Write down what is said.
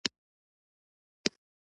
په دې سهارنۍ کې قهوه او غوښه هم شامله وه